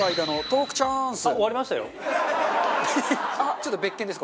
ちょっと別件です